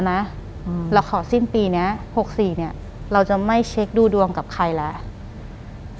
หลังจากนั้นเราไม่ได้คุยกันนะคะเดินเข้าบ้านอืม